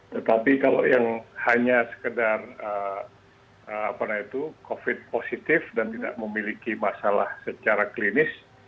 tetapi kalau yang hanya sekedar covid positif dan tidak memiliki masalah secara klinis